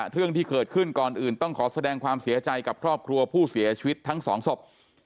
เรื่องที่เกิดขึ้นก่อนอื่นต้องขอแสดงความเสียใจกับครอบครัวผู้เสียชีวิตทั้งสองศพ